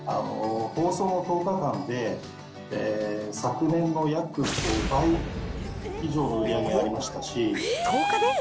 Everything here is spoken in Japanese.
放送後１０日間で、昨年の約５倍以上の売り上げがありましたし。